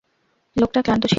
লোকটা ক্লান্ত ছিল।